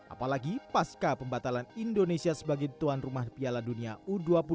apalagi pasca pembatalan indonesia sebagai tuan rumah piala dunia u dua puluh